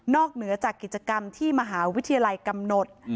เหนือจากกิจกรรมที่มหาวิทยาลัยกำหนด